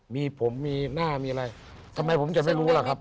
มีผมมีหน้ามีอะไรทำไมผมจะไม่รู้ล่ะครับ